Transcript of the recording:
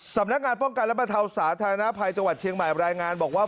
สำนักงานป้องกันและบรรเทาสาธารณภัยจังหวัดเชียงใหม่รายงานบอกว่า